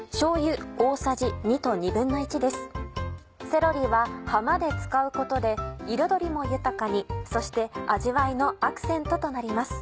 セロリは葉まで使うことで彩りも豊かにそして味わいのアクセントとなります。